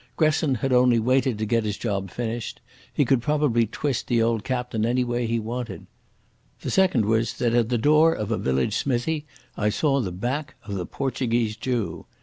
Gresson had only waited to get his job finished; he could probably twist the old captain any way he wanted. The second was that at the door of a village smithy I saw the back of the Portuguese Jew.